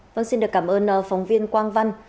vâng xin được cảm ơn phóng viên quang văn